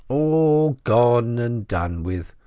All gone and done with!